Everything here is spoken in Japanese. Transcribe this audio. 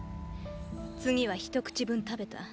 次は一口分食べた。